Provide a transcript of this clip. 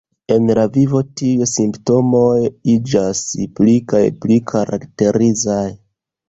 En la vivo tiuj simptomoj iĝas pli kaj pli karakterizaj.